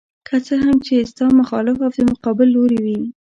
که څه هم چې ستا مخالف او د مقابل لوري وي.